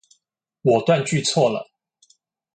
我斷句錯了